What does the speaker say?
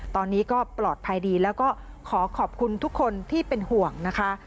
ตอนนี้ก็ปลอดภัยดีแล้วก็ขอขอบคุณทุกคนที่เป็นห่วงนะคะ